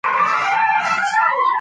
راځئ چې د ده ملاتړ وکړو.